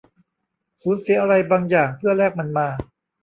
สูญเสียอะไรบางอย่างเพื่อแลกมันมา